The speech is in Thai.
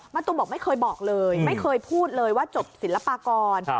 ตุ้มบอกไม่เคยบอกเลยไม่เคยพูดเลยว่าจบศิลปากร